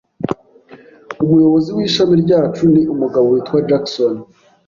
Umuyobozi w'ishami ryacu ni umugabo witwa Jackson.